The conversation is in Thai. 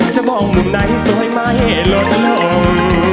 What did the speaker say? จะมองหนุ่มไหนสวยมาให้ลดลง